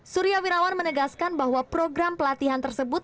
surya wirawan menegaskan bahwa program pelatihan tersebut